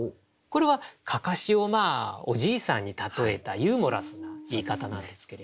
これは案山子をおじいさんに例えたユーモラスな言い方なんですけれど。